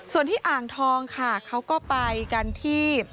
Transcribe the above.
ส่วนที่อ่างทองค่ะเขาก็ไปกันที่